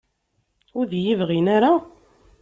Ur d-iyi-bɣin ara?